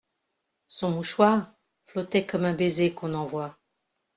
Son mouchoir flottait comme un baiser qu'on envoie.